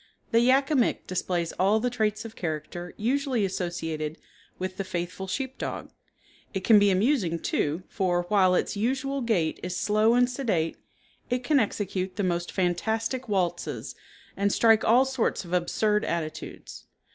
The Yak a Mik displays all the traits of character usually associated with the faithful sheep dog. It can be amusing, too, for, while its usual gait is slow and sedate, it can execute the most fantastic waltzes and strike all sorts of absurd attitudes.